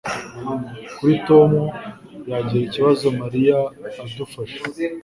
Kuki Tom yagira ikibazo Mariya adufasha